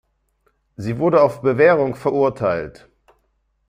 Sie wurde auf Bewährung verurteilt.